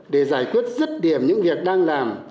để giải quyết rứt điểm những việc đang làm